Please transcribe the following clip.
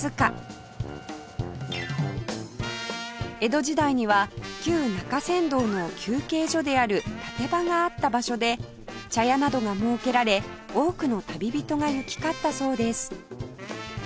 江戸時代には旧中山道の休憩所である立場があった場所で茶屋などが設けられ多くの旅人が行き交ったそうです